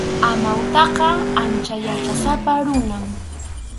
Amawtaqa ancha yachaysapa runam.